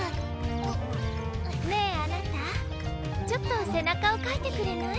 ねえあなたちょっとせなかをかいてくれない？